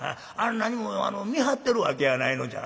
なにも見張ってるわけやないのじゃ。